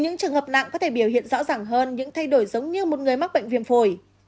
những thay đổi giống như một người mắc bệnh viêm phổi